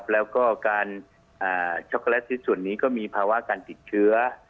แล้วก็การช็อกโกแลตชิตส่วนนี้ก็มีภาวะการติดเชื้อ